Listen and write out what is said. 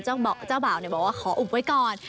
เจ้าบ่าวบอกว่าขออุบไว้ก่อน